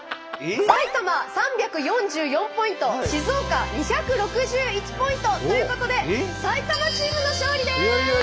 埼玉３４４ポイント静岡２６１ポイント！ということで埼玉チームの勝利です！